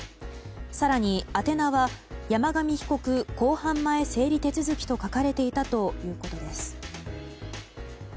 更に、宛名は山上被告公判前整理手続きと書かれていたということです。